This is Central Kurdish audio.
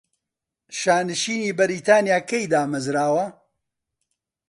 شانشینی بەریتانیا کەی دامەرزاوە؟